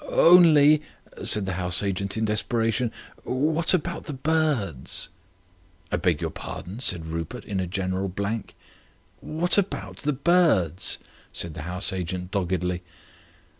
"Only," said the house agent, in desperation, "what about the birds?" "I beg your pardon," said Rupert, in a general blank. "What about the birds?" said the house agent doggedly.